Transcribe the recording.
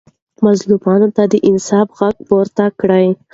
مظلومانو ته د انصاف غږ پورته کړئ.